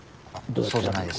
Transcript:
そうじゃないです。